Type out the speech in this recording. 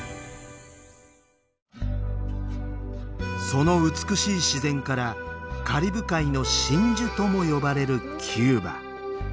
その美しい自然からカリブ海の真珠とも呼ばれるキューバ。